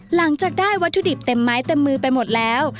หลังจากได้วัตถุดิบเต็มไม้เต็มมือไปหมดแล้ว